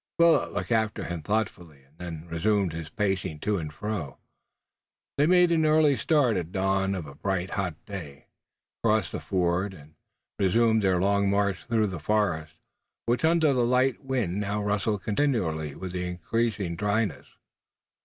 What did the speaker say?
Willet looked after him thoughtfully, and then resumed his pacing to and fro. They made an early start at dawn of a bright hot day, crossed the ford, and resumed their long march through the forest which under the light wind now rustled continually with the increasing dryness.